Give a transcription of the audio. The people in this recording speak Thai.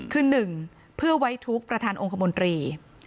คือ๑เพื่อไว้ทุกข์ประธานองค์คมนตรี